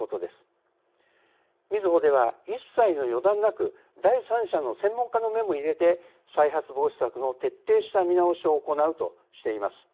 みずほでは一切の予断なく第３者の専門家の目も入れて再発防止策の徹底した見直しを行うとしています。